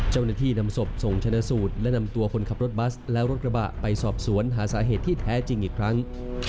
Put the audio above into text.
เจ้าหน้าที่นำศพส่งชนะสูตรและนำตัวคนขับรถบัสและรถกระบะไปสอบสวนหาสาเหตุที่แท้จริงอีกครั้ง